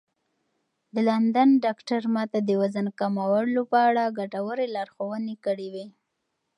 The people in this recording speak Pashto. د لندن ډاکتر ما ته د وزن کمولو په اړه ګټورې لارښوونې کړې وې.